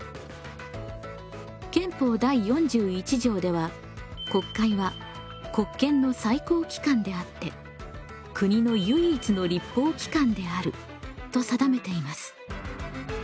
憲法第４１条では「国会は国権の最高機関であって国の唯一の立法機関である」と定めています。